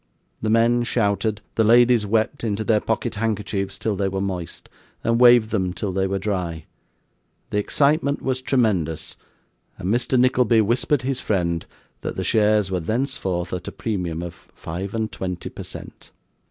The men shouted; the ladies wept into their pocket handkerchiefs till they were moist, and waved them till they were dry; the excitement was tremendous; and Mr. Nickleby whispered his friend that the shares were thenceforth at a premium of five and twenty per cent.